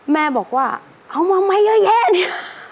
แม่บอกว่าเอามาไหมเยอะแยะเนี่ย